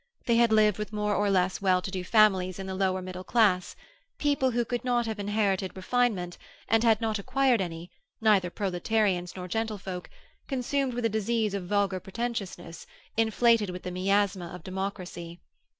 They had lived with more or less well to do families in the lower middle class—people who could not have inherited refinement, and had not acquired any, neither proletarians nor gentlefolk, consumed with a disease of vulgar pretentiousness, inflated with the miasma of democracy.